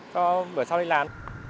cho bữa sau đi làm